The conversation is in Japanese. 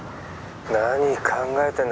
☎何考えてんだ